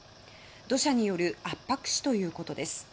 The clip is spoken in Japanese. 土砂による圧迫死ということです。